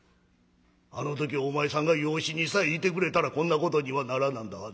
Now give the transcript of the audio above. あの時お前さんが養子にさえ行てくれたらこんなことにはならなんだはず。